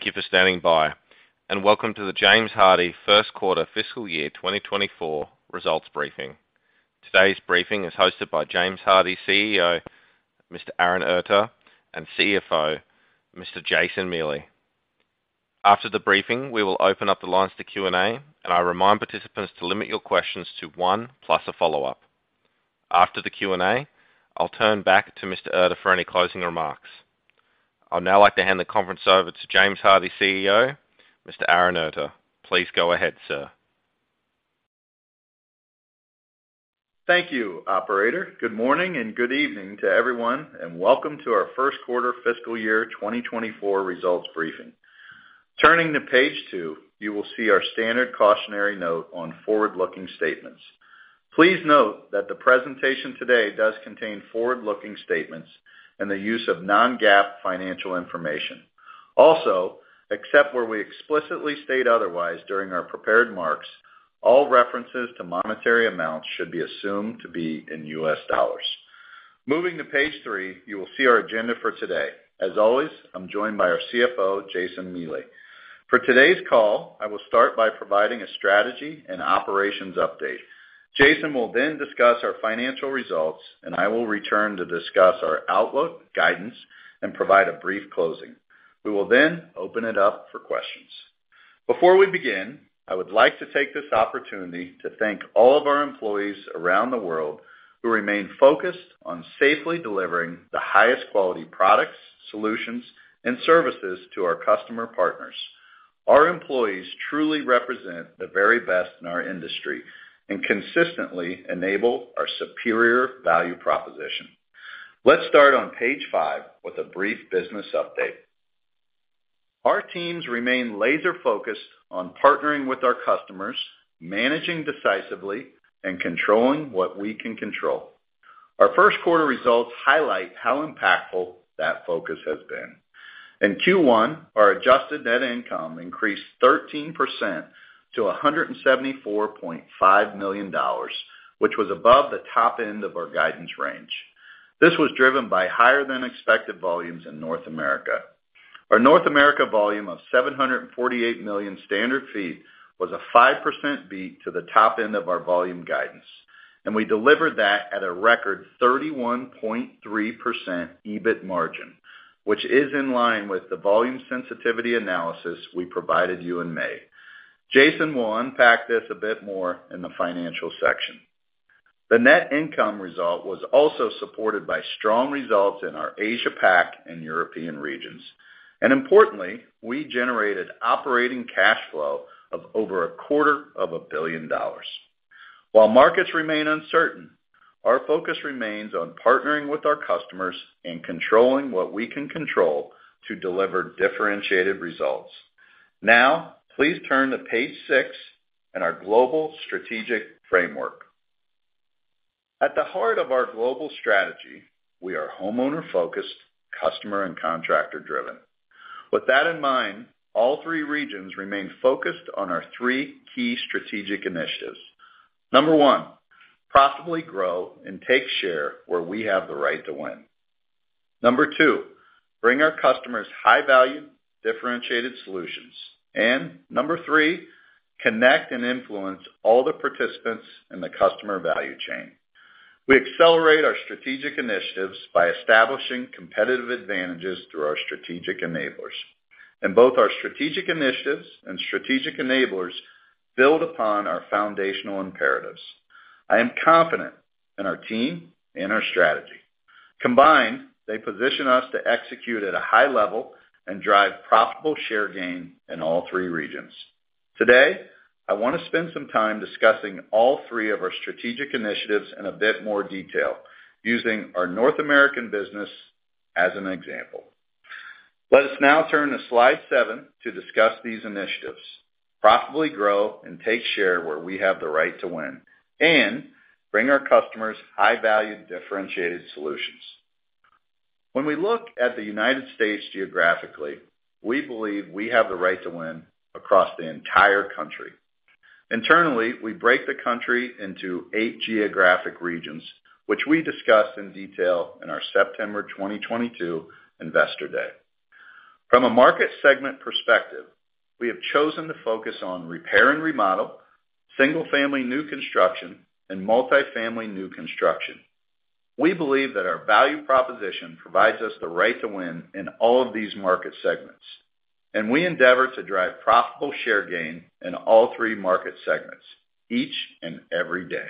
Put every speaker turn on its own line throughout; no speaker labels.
Thank you for standing by. Welcome to the James Hardie first quarter fiscal year 2024 results briefing. Today's briefing is hosted by James Hardie CEO, Mr. Aaron Erter, and CFO, Mr. Jason Miele. After the briefing, we will open up the lines to Q&A. I remind participants to limit your questions to one plus a follow-up. After the Q&A, I'll turn back to Mr. Erter for any closing remarks. I'd now like to hand the conference over to James Hardie CEO, Mr. Aaron Erter. Please go ahead, sir.
Thank you, operator. Good morning and good evening to everyone, welcome to our first quarter fiscal year 2024 results briefing. Turning to page 2, you will see our standard cautionary note on forward-looking statements. Please note that the presentation today does contain forward-looking statements and the use of non-GAAP financial information. Also, except where we explicitly state otherwise during our prepared marks, all references to monetary amounts should be assumed to be in U.S. dollars. Moving to page 3, you will see our agenda for today. As always, I'm joined by our CFO, Jason Miele. For today's call, I will start by providing a strategy and operations update. Jason will then discuss our financial results, and I will return to discuss our outlook, guidance, and provide a brief closing. We will then open it up for questions. Before we begin, I would like to take this opportunity to thank all of our employees around the world, who remain focused on safely delivering the highest quality products, solutions, and services to our customer partners. Our employees truly represent the very best in our industry and consistently enable our superior value proposition. Let's start on page 5 with a brief business update. Our teams remain laser-focused on partnering with our customers, managing decisively, and controlling what we can control. Our first quarter results highlight how impactful that focus has been. In Q1, our adjusted net income increased 13% to $174.5 million, which was above the top end of our guidance range. This was driven by higher than expected volumes in North America. Our North America volume of 748 million standard feet was a 5% beat to the top end of our volume guidance. We delivered that at a record 31.3% EBIT margin, which is in line with the volume sensitivity analysis we provided you in May. Jason will unpack this a bit more in the financial section. The net income result was also supported by strong results in our Asia Pac and European regions. Importantly, we generated operating cash flow of over $250 million. While markets remain uncertain, our focus remains on partnering with our customers and controlling what we can control to deliver differentiated results. Now, please turn to page 6 in our global strategic framework. At the heart of our global strategy, we are homeowner-focused, customer and contractor-driven. With that in mind, all three regions remain focused on our three key strategic initiatives. Number one, profitably grow and take share where we have the right to win. Number two, bring our customers high-value, differentiated solutions. Number three, connect and influence all the participants in the customer value chain. We accelerate our strategic initiatives by establishing competitive advantages through our strategic enablers, and both our strategic initiatives and strategic enablers build upon our foundational imperatives. I am confident in our team and our strategy. Combined, they position us to execute at a high level and drive profitable share gain in all three regions. Today, I want to spend some time discussing all three of our strategic initiatives in a bit more detail, using our North American business as an example. Let us now turn to slide 7 to discuss these initiatives, profitably grow and take share where we have the right to win, and bring our customers high-value, differentiated solutions. When we look at the United States geographically, we believe we have the right to win across the entire country. Internally, we break the country into 8 geographic regions, which we discussed in detail in our September 2022 investor day. From a market segment perspective, we have chosen to focus on repair and remodel, single-family new construction, and multifamily new construction. We believe that our value proposition provides us the right to win in all of these market segments, and we endeavor to drive profitable share gain in all 3 market segments each and every day.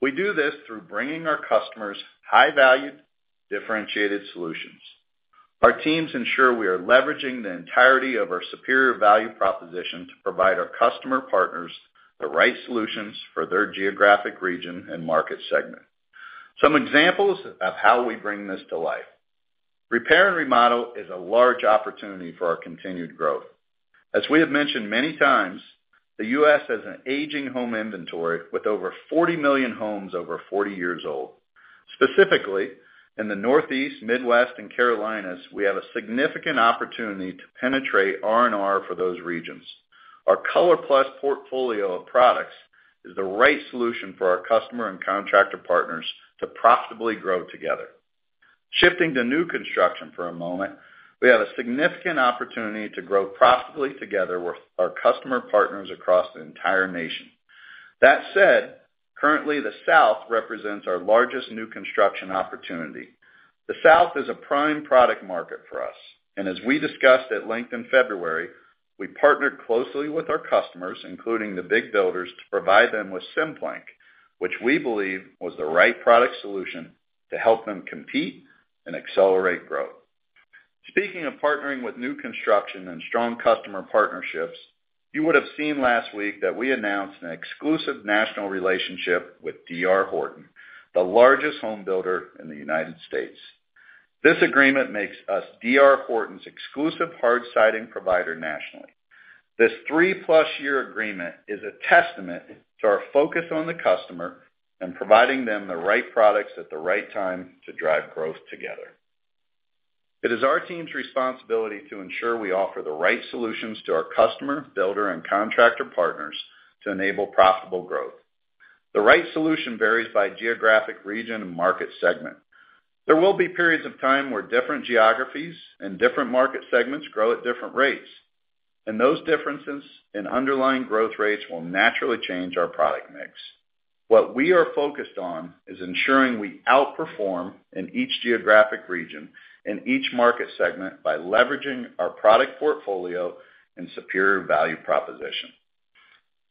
We do this through bringing our customers high-value, differentiated solutions. Our teams ensure we are leveraging the entirety of our superior value proposition to provide our customer partners the right solutions for their geographic region and market segment. Some examples of how we bring this to life. Repair and remodel is a large opportunity for our continued growth. As we have mentioned many times, the US has an aging home inventory with over 40 million homes over 40 years old. Specifically, in the Northeast, Midwest, and Carolinas, we have a significant opportunity to penetrate R&R for those regions. Our ColorPlus portfolio of products is the right solution for our customer and contractor partners to profitably grow together. Shifting to new construction for a moment, we have a significant opportunity to grow profitably together with our customer partners across the entire nation. That said, currently, the South represents our largest new construction opportunity. The South is a prime product market for us, and as we discussed at length in February, we partnered closely with our customers, including the big builders, to provide them with Simplank, which we believe was the right product solution to help them compete and accelerate growth. Speaking of partnering with new construction and strong customer partnerships, you would have seen last week that we announced an exclusive national relationship with D.R. Horton, the largest home builder in the United States. This agreement makes us D.R. Horton's exclusive hard siding provider nationally. This 3+ year agreement is a testament to our focus on the customer and providing them the right products at the right time to drive growth together. It is our team's responsibility to ensure we offer the right solutions to our customer, builder, and contractor partners to enable profitable growth. The right solution varies by geographic region and market segment. There will be periods of time where different geographies and different market segments grow at different rates, and those differences in underlying growth rates will naturally change our product mix. What we are focused on is ensuring we outperform in each geographic region and each market segment by leveraging our product portfolio and superior value proposition.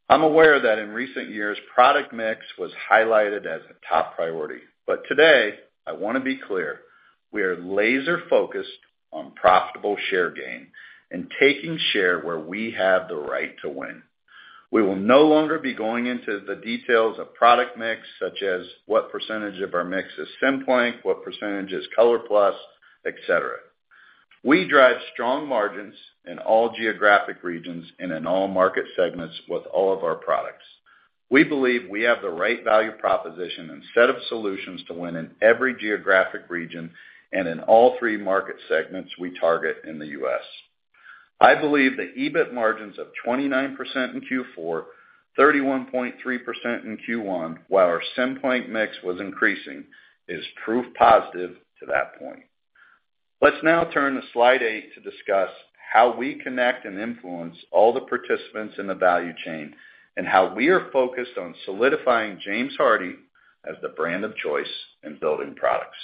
I'm aware that in recent years, product mix was highlighted as a top priority, but today, I want to be clear, we are laser-focused on profitable share gain and taking share where we have the right to win. We will no longer be going into the details of product mix, such as what percentage of our mix is Simplank, what percentage is ColorPlus, et cetera. We drive strong margins in all geographic regions and in all market segments with all of our products. We believe we have the right value proposition and set of solutions to win in every geographic region and in all three market segments we target in the U.S. I believe the EBIT margins of 29% in Q4, 31.3% in Q1, while our Simplank mix was increasing, is proof positive to that point. Let's now turn to slide 8 to discuss how we connect and influence all the participants in the value chain, and how we are focused on solidifying James Hardie as the brand of choice in building products.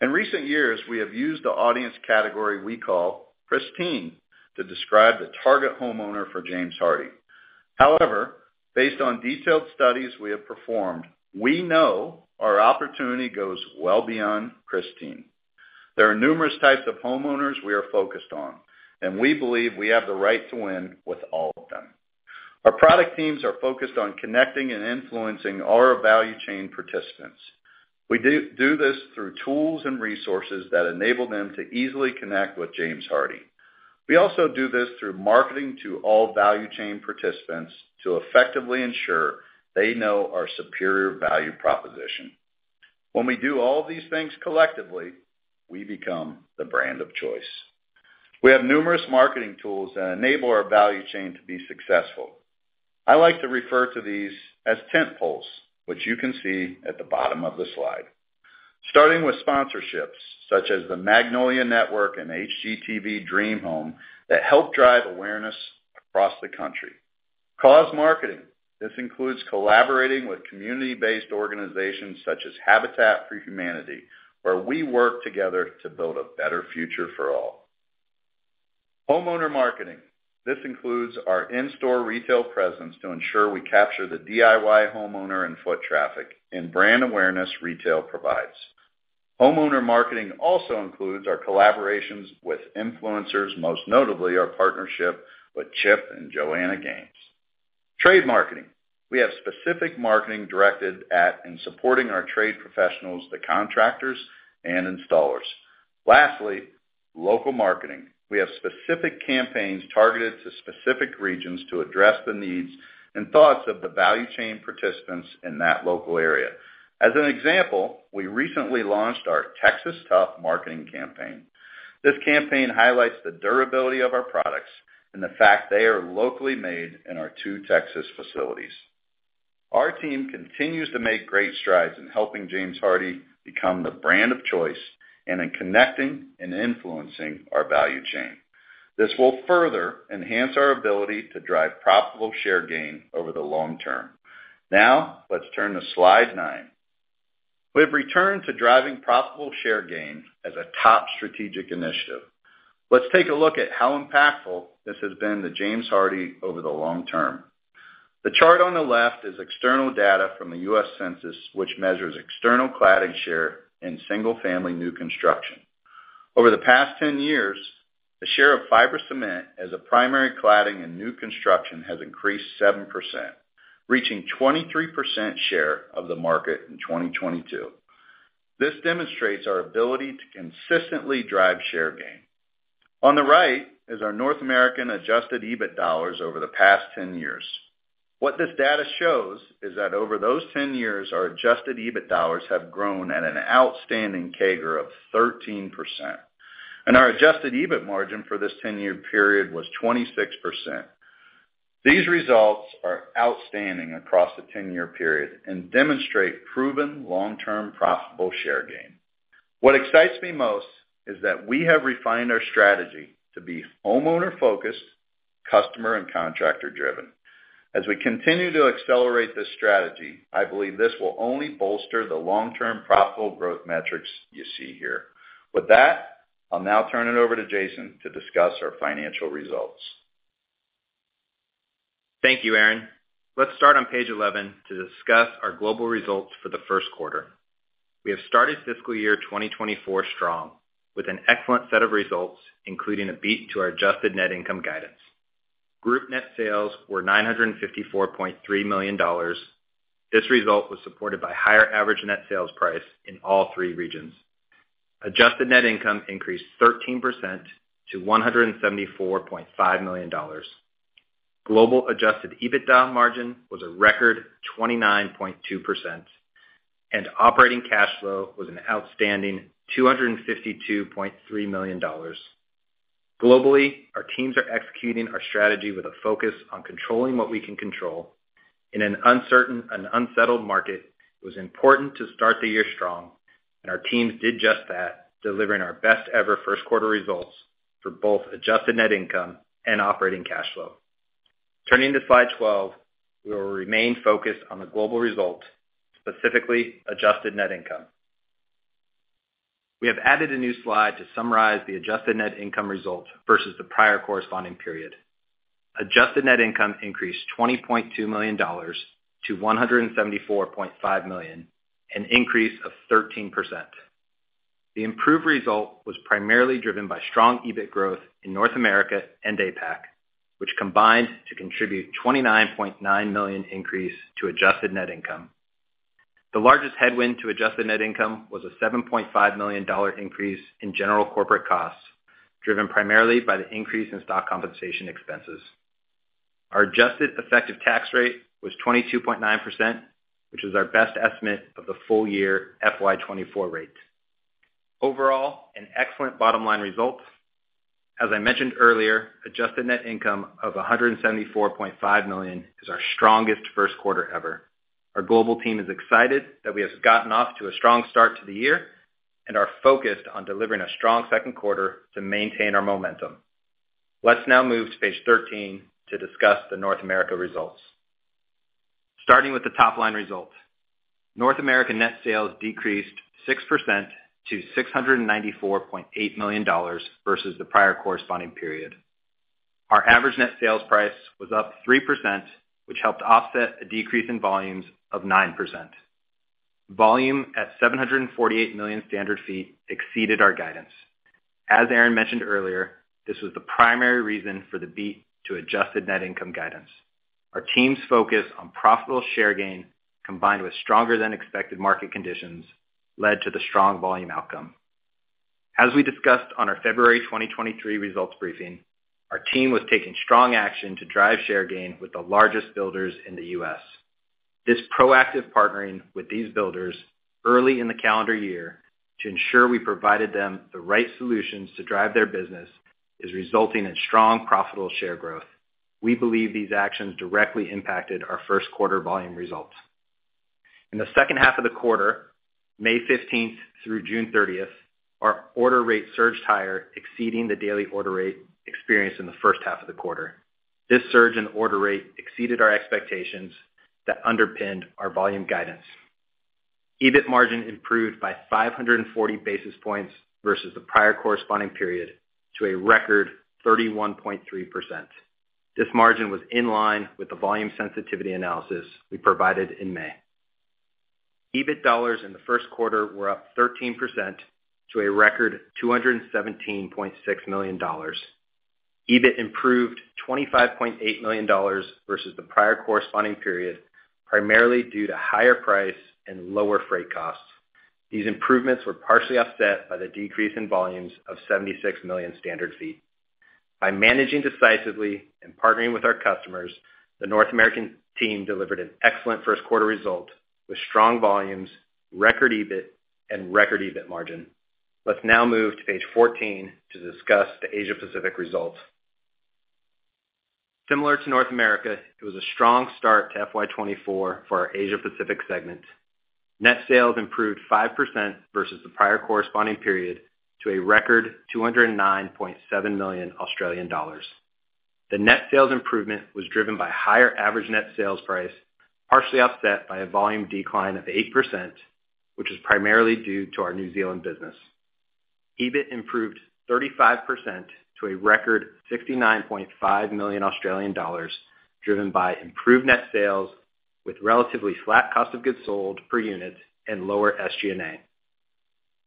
In recent years, we have used the audience category we call Pristine to describe the target homeowner for James Hardie. However, based on detailed studies we have performed, we know our opportunity goes well beyond Pristine. There are numerous types of homeowners we are focused on, and we believe we have the right to win with all of them. Our product teams are focused on connecting and influencing all our value chain participants. We do this through tools and resources that enable them to easily connect with James Hardie. We also do this through marketing to all value chain participants to effectively ensure they know our superior value proposition. When we do all these things collectively, we become the brand of choice. We have numerous marketing tools that enable our value chain to be successful. I like to refer to these as tent poles, which you can see at the bottom of the slide. Starting with sponsorships such as the Magnolia Network and HGTV Dream Home, that help drive awareness across the country. Cause marketing. This includes collaborating with community-based organizations such as Habitat for Humanity, where we work together to build a better future for all. Homeowner marketing. This includes our in-store retail presence to ensure we capture the DIY homeowner and foot traffic, and brand awareness retail provides. Homeowner marketing also includes our collaborations with influencers, most notably our partnership with Chip and Joanna Gaines. Trade marketing. We have specific marketing directed at and supporting our trade professionals, the contractors and installers. Lastly, local marketing. We have specific campaigns targeted to specific regions to address the needs and thoughts of the value chain participants in that local area. As an example, we recently launched our Texas Tough marketing campaign. This campaign highlights the durability of our products and the fact they are locally made in our two Texas facilities. Our team continues to make great strides in helping James Hardie become the brand of choice and in connecting and influencing our value chain. This will further enhance our ability to drive profitable share gain over the long term. Now, let's turn to slide 9. We've returned to driving profitable share gain as a top strategic initiative. Let's take a look at how impactful this has been to James Hardie over the long term. The chart on the left is external data from the U.S. Census, which measures external cladding share in single-family new construction. Over the past 10 years, the share of fiber cement as a primary cladding in new construction has increased 7%, reaching 23% share of the market in 2022. This demonstrates our ability to consistently drive share gain. On the right is our North American adjusted EBIT dollars over the past 10 years.... What this data shows is that over those 10 years, our adjusted EBIT dollars have grown at an outstanding CAGR of 13%, and our adjusted EBIT margin for this 10-year period was 26%. These results are outstanding across the 10-year period and demonstrate proven long-term profitable share gain. What excites me most is that we have refined our strategy to be homeowner-focused, customer, and contractor-driven. As we continue to accelerate this strategy, I believe this will only bolster the long-term profitable growth metrics you see here. With that, I'll now turn it over to Jason to discuss our financial results.
Thank you, Aaron. Let's start on page 11 to discuss our global results for the first quarter. We have started fiscal year 2024 strong, with an excellent set of results, including a beat to our adjusted net income guidance. Group net sales were $954.3 million. This result was supported by higher average net sales price in all three regions. Adjusted net income increased 13% to $174.5 million. Global adjusted EBITDA margin was a record 29.2%, and operating cash flow was an outstanding $252.3 million. Globally, our teams are executing our strategy with a focus on controlling what we can control. In an uncertain and unsettled market, it was important to start the year strong. Our teams did just that, delivering our best-ever first-quarter results for both adjusted net income and operating cash flow. Turning to slide 12, we will remain focused on the global result, specifically adjusted net income. We have added a new slide to summarize the adjusted net income result versus the prior corresponding period. Adjusted net income increased $20.2 million-$174.5 million, an increase of 13%. The improved result was primarily driven by strong EBIT growth in North America and APAC, which combined to contribute $29.9 million increase to adjusted net income. The largest headwind to adjusted net income was a $7.5 million increase in general corporate costs, driven primarily by the increase in stock compensation expenses. Our adjusted effective tax rate was 22.9%, which is our best estimate of the full year FY2024 rate. Overall, an excellent bottom-line result. As I mentioned earlier, adjusted net income of $174.5 million is our strongest first quarter ever. Our global team is excited that we have gotten off to a strong start to the year and are focused on delivering a strong second quarter to maintain our momentum. Let's now move to page 13 to discuss the North America results. Starting with the top-line results. North America net sales decreased 6% to $694.8 million versus the prior corresponding period. Our average net sales price was up 3%, which helped offset a decrease in volumes of 9%. Volume at 748 million standard feet exceeded our guidance. As Aaron mentioned earlier, this was the primary reason for the beat to adjusted net income guidance. Our team's focus on profitable share gain, combined with stronger-than-expected market conditions, led to the strong volume outcome. As we discussed on our February 2023 results briefing, our team was taking strong action to drive share gain with the largest builders in the U.S. This proactive partnering with these builders early in the calendar year to ensure we provided them the right solutions to drive their business, is resulting in strong, profitable share growth. We believe these actions directly impacted our first quarter volume results. In the second half of the quarter, May 15th through June 30th, our order rate surged higher, exceeding the daily order rate experienced in the first half of the quarter. This surge in order rate exceeded our expectations that underpinned our volume guidance. EBIT margin improved by 540 basis points versus the prior corresponding period to a record 31.3%. This margin was in line with the volume sensitivity analysis we provided in May. EBIT dollars in the first quarter were up 13% to a record $217.6 million. EBIT improved $25.8 million versus the prior corresponding period, primarily due to higher price and lower freight costs. These improvements were partially offset by the decrease in volumes of 76 million standard feet. By managing decisively and partnering with our customers, the North American team delivered an excellent first quarter result with strong volumes, record EBIT, and record EBIT margin. Let's now move to page 14 to discuss the Asia Pacific results. Similar to North America, it was a strong start to FY2024 for our Asia Pacific segment. Net sales improved 5% versus the prior corresponding period to a record 209.7 million Australian dollars. The net sales improvement was driven by higher average net sales price, partially offset by a volume decline of 8%, which is primarily due to our New Zealand business. EBIT improved 35% to a record 69.5 million Australian dollars, driven by improved net sales with relatively flat cost of goods sold per unit and lower SG&A.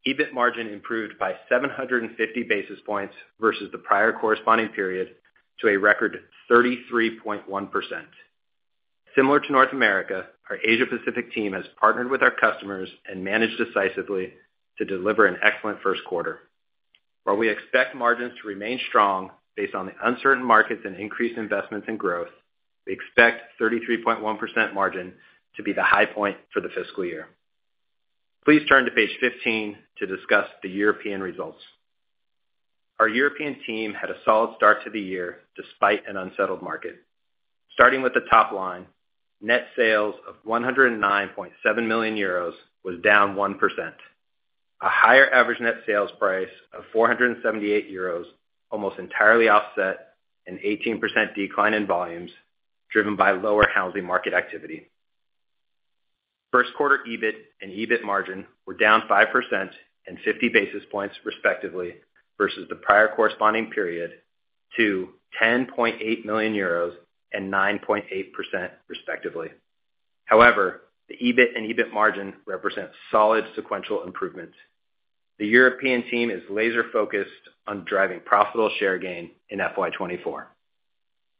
EBIT margin improved by 750 basis points versus the prior corresponding period to a record 33.1%. Similar to North America, our Asia Pacific team has partnered with our customers and managed decisively to deliver an excellent first quarter. while we expect margins to remain strong based on the uncertain markets and increased investments in growth, we expect 33.1% margin to be the high point for the fiscal year. Please turn to page 15 to discuss the European results. Our European team had a solid start to the year despite an unsettled market. Starting with the top line, net sales of 109.7 million euros was down 1%. A higher average net sales price of 478 euros almost entirely offset an 18% decline in volumes, driven by lower housing market activity. First quarter EBIT and EBIT margin were down 5% and 50 basis points, respectively, versus the prior corresponding period to 10.8 million euros and 9.8%, respectively. However, the EBIT and EBIT margin represent solid sequential improvements. The European team is laser-focused on driving profitable share gain in FY2024.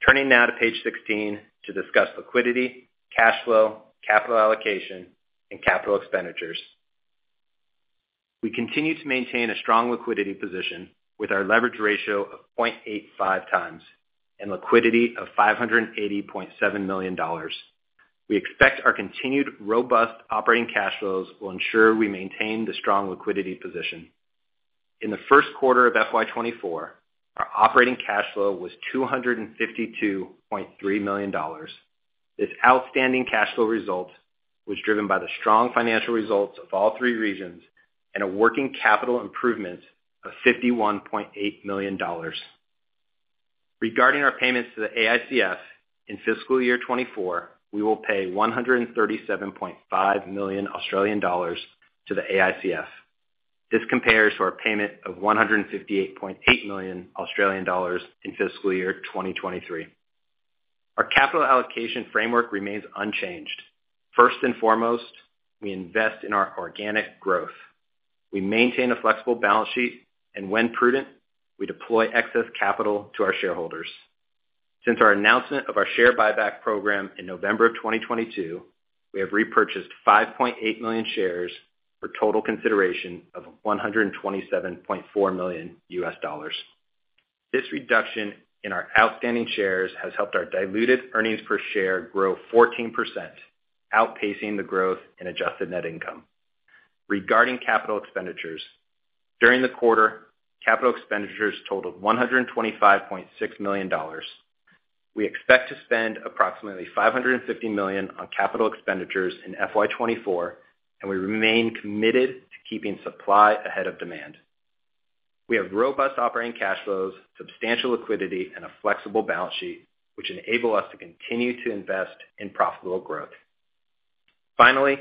Turning now to page 16 to discuss liquidity, cash flow, capital allocation, and capital expenditures. We continue to maintain a strong liquidity position with our leverage ratio of 0.85x and liquidity of $580.7 million. We expect our continued robust operating cash flows will ensure we maintain the strong liquidity position. In the first quarter of FY2024, our operating cash flow was $252.3 million. This outstanding cash flow result was driven by the strong financial results of all three regions and a working capital improvement of $51.8 million. Regarding our payments to the AICF, in fiscal year 2024, we will pay 137.5 million Australian dollars to the AICF. This compares to our payment of 158.8 million Australian dollars in fiscal year 2023. Our capital allocation framework remains unchanged. First and foremost, we invest in our organic growth. We maintain a flexible balance sheet, and when prudent, we deploy excess capital to our shareholders. Since our announcement of our share buyback program in November of 2022, we have repurchased 5.8 million shares for total consideration of $127.4 million. This reduction in our outstanding shares has helped our diluted earnings per share grow 14%, outpacing the growth in adjusted net income. Regarding capital expenditures, during the quarter, capital expenditures totaled $125.6 million. We expect to spend approximately $550 million on capital expenditures in FY2024. We remain committed to keeping supply ahead of demand. We have robust operating cash flows, substantial liquidity, and a flexible balance sheet, which enable us to continue to invest in profitable growth. Finally,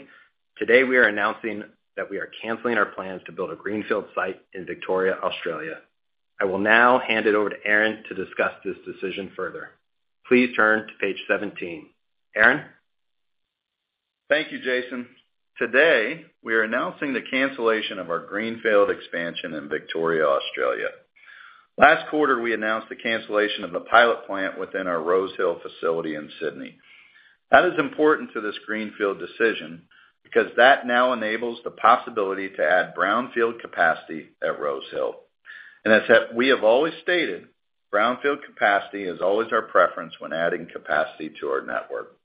today, we are announcing that we are canceling our plans to build a greenfield site in Victoria, Australia. I will now hand it over to Aaron to discuss this decision further. Please turn to page 17. Aaron?
Thank you, Jason. Today, we are announcing the cancellation of our greenfield expansion in Victoria, Australia. Last quarter, we announced the cancellation of the pilot plant within our Rosehill facility in Sydney. That is important to this greenfield decision, because that now enables the possibility to add brownfield capacity at Rosehill. As we have always stated, brownfield capacity is always our preference when adding capacity to our network.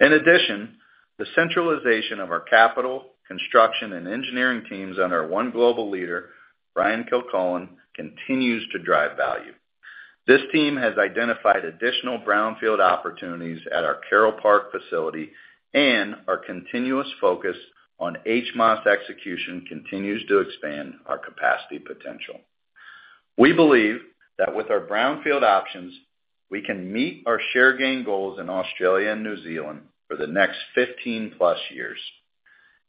In addition, the centralization of our capital, construction, and engineering teams under one global leader, Ryan Kilcullen, continues to drive value. This team has identified additional brownfield opportunities at our Carole Park facility, and our continuous focus on HMOS execution continues to expand our capacity potential. We believe that with our brownfield options, we can meet our share gain goals in Australia and New Zealand for the next 15+ years,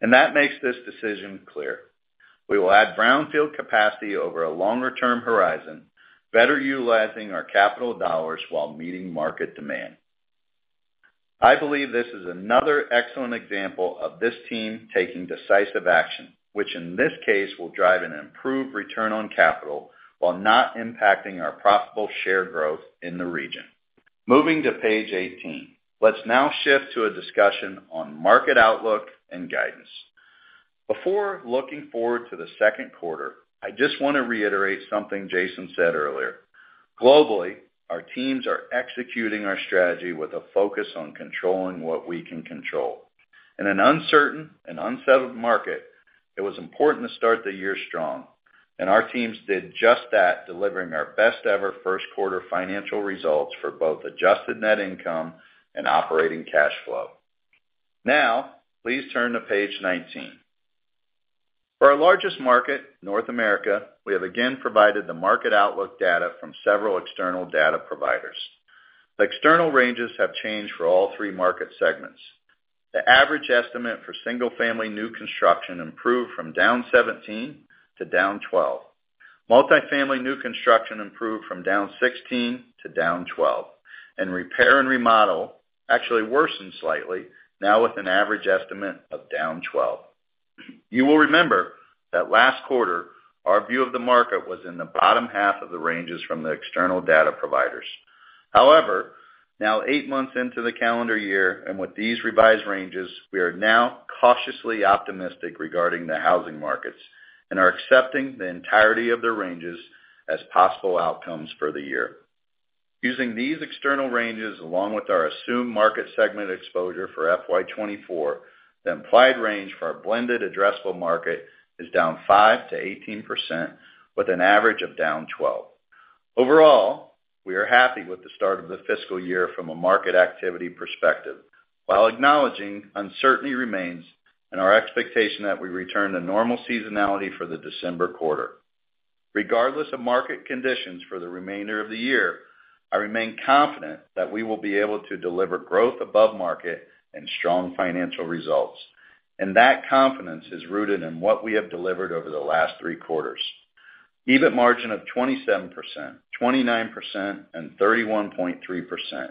and that makes this decision clear. We will add brownfield capacity over a longer-term horizon, better utilizing our capital dollars while meeting market demand. I believe this is another excellent example of this team taking decisive action, which in this case, will drive an improved return on capital while not impacting our profitable share growth in the region. Moving to page 18. Let's now shift to a discussion on market outlook and guidance. Before looking forward to the second quarter, I just want to reiterate something Jason said earlier. Globally, our teams are executing our strategy with a focus on controlling what we can control. In an uncertain and unsettled market, it was important to start the year strong, and our teams did just that, delivering our best-ever first quarter financial results for both adjusted net income and operating cash flow. Now, please turn to page 19. For our largest market, North America, we have again provided the market outlook data from several external data providers. The external ranges have changed for all three market segments. The average estimate for single-family new construction improved from down 17 to down 12. Multifamily new construction improved from down 16 to down 12, and repair and remodel actually worsened slightly, now with an average estimate of down 12. You will remember that last quarter, our view of the market was in the bottom half of the ranges from the external data providers. However, now eight months into the calendar year, and with these revised ranges, we are now cautiously optimistic regarding the housing markets and are accepting the entirety of the ranges as possible outcomes for the year. Using these external ranges, along with our assumed market segment exposure for FY2024, the implied range for our blended addressable market is down 5%-18%, with an average of down 12. Overall, we are happy with the start of the fiscal year from a market activity perspective, while acknowledging uncertainty remains and our expectation that we return to normal seasonality for the December quarter. Regardless of market conditions for the remainder of the year, I remain confident that we will be able to deliver growth above market and strong financial results. That confidence is rooted in what we have delivered over the last 3 quarters. EBIT margin of 27%, 29%, and 31.3%,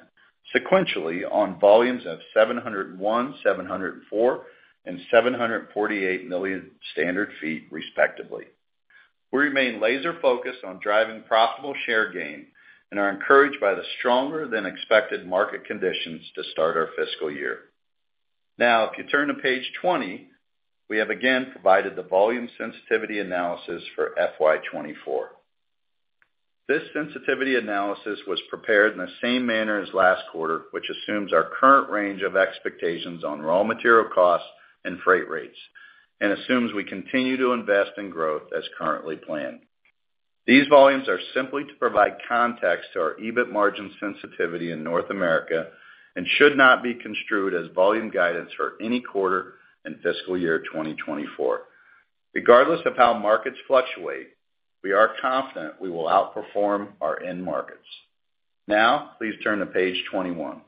sequentially on volumes of 701, 704, and 748 million standard feet, respectively. We remain laser focused on driving profitable share gain and are encouraged by the stronger than expected market conditions to start our fiscal year. Now, if you turn to page 20, we have again provided the volume sensitivity analysis for FY20 24. This sensitivity analysis was prepared in the same manner as last quarter, which assumes our current range of expectations on raw material costs and freight rates, and assumes we continue to invest in growth as currently planned. These volumes are simply to provide context to our EBIT margin sensitivity in North America and should not be construed as volume guidance for any quarter in fiscal year 2024. Regardless of how markets fluctuate, we are confident we will outperform our end markets. Now, please turn to page 21.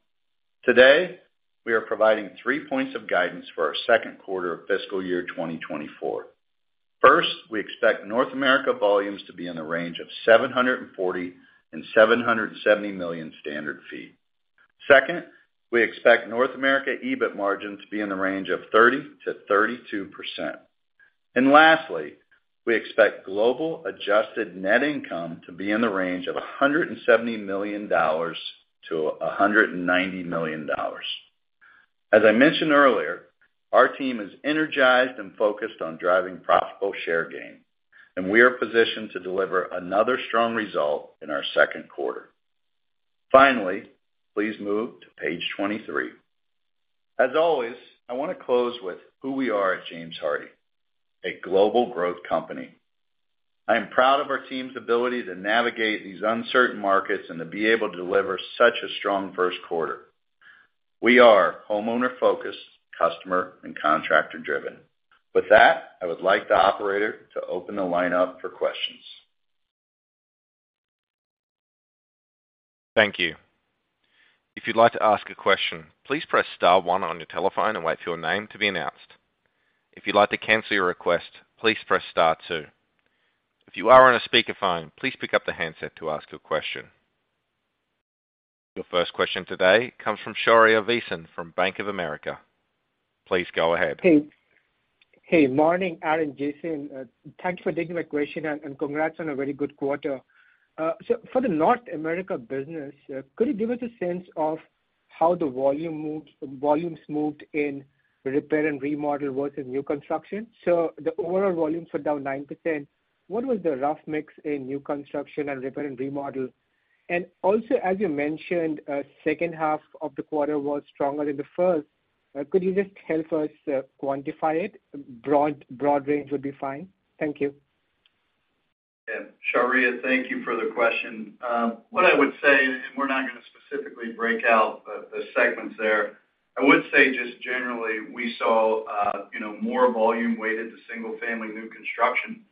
Today, we are providing 3 points of guidance for our second quarter of fiscal year 2024. First, we expect North America volumes to be in the range of 740 million-770 million standard feet. Second, we expect North America EBIT margin to be in the range of 30%-32%. Lastly, we expect global adjusted net income to be in the range of $170 million-$190 million. As I mentioned earlier, our team is energized and focused on driving profitable share gain, and we are positioned to deliver another strong result in our second quarter. Finally, please move to page 23. As always, I want to close with who we are at James Hardie, a global growth company. I am proud of our team's ability to navigate these uncertain markets and to be able to deliver such a strong first quarter. We are homeowner-focused, customer and contractor-driven. With that, I would like the operator to open the line up for questions.
Thank you. If you'd like to ask a question, please press star one on your telephone and wait for your name to be announced. If you'd like to cancel your request, please press star two. If you are on a speakerphone, please pick up the handset to ask your question. Your first question today comes from Shaurya Visen from Bank of America. Please go ahead.
Hey. Hey, morning, Aaron, Jason. Thank you for taking my question, and congrats on a very good quarter. For the North America business, could you give us a sense of how the volumes moved in repair and remodel versus new construction? The overall volumes are down 9%. What was the rough mix in new construction and repair and remodel? Also, as you mentioned, second half of the quarter was stronger than the first. Could you just help us quantify it? Broad range would be fine. Thank you.
Yeah, Shaurya, thank you for the question. What I would say, and we're not going to specifically break out the segments there. I would say just generally, we saw, you know, more volume weighted to single-family new construction.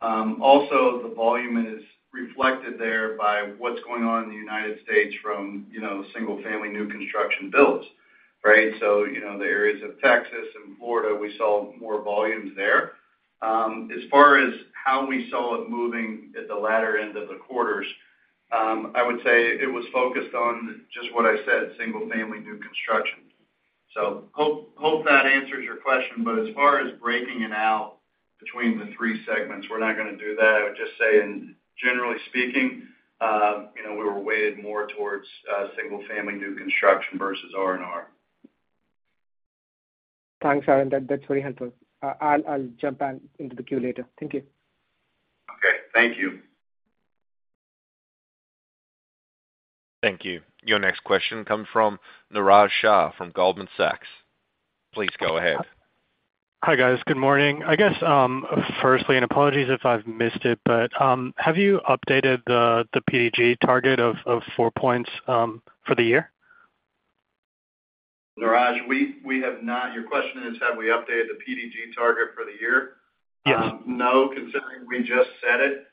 Also, the volume is reflected there by what's going on in the United States from, you know, single-family new construction builds, right? The areas of Texas and Florida, we saw more volumes there. As far as how we saw it moving at the latter end of the quarters, I would say it was focused on just what I said, single-family new construction. Hope, hope that answers your question, but as far as breaking it out between the three segments, we're not gonna do that. I would just say, in generally speaking, you know, we were weighted more towards single-family new construction versus R&R.
Thanks, Aaron. That's very helpful. I'll jump back into the queue later. Thank you.
Okay, thank you.
Thank you. Your next question comes from Niraj Shah from Goldman Sachs. Please go ahead.
Hi, guys. Good morning. I guess, firstly, and apologies if I've missed it, but, have you updated the, the PDG target of, of 4 points for the year?
Niraj, we have not. Your question is, have we updated the PDG target for the year?
Yes.
No, considering we just set it,